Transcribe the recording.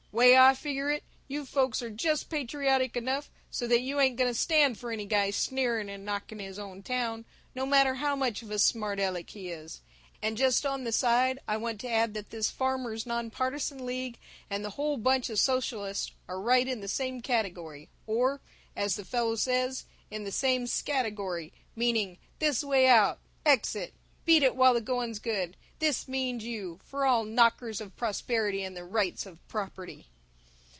Way I figger it, you folks are just patriotic enough so that you ain't going to stand for any guy sneering and knocking his own town, no matter how much of a smart Aleck he is and just on the side I want to add that this Farmers' Nonpartisan League and the whole bunch of socialists are right in the same category, or, as the fellow says, in the same scategory, meaning This Way Out, Exit, Beat It While the Going's Good, This Means You, for all knockers of prosperity and the rights of property!